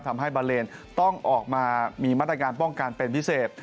ทำให้บาเลนต้องออกมามีมาตรการป้องกันเป็นพิเศษ